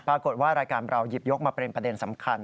รายการเราหยิบยกมาเป็นประเด็นสำคัญ